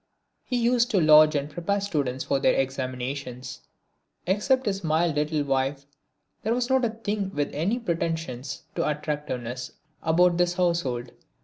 He used to lodge and prepare students for their examinations. Except his mild little wife there was not a thing with any pretensions to attractiveness about this household.